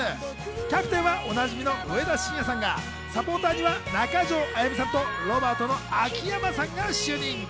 キャプテンはおなじみの上田晋也さんがサポーターには中条あやみさんと、ロバート・秋山さんが就任。